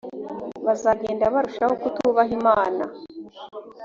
bazagenda barushaho kutubaha imana